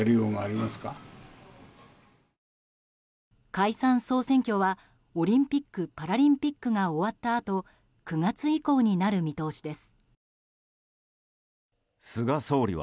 解散・総選挙はオリンピック・パラリンピックが終わったあと９月以降になる見通しです。